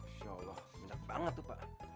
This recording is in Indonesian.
insya allah menak banget itu pak